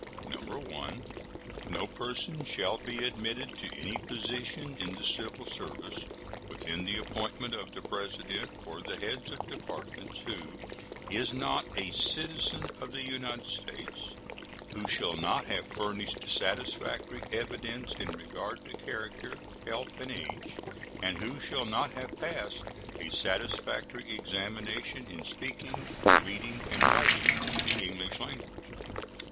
1. No person shall be admitted to any position in the civil service within the appointment of the President or the heads of Departments who is not a citizen of the United States; who shall not have furnished satisfactory evidence in regard to character, health, and age, and who shall not have passed a satisfactory examination in speaking, reading, and writing the English language.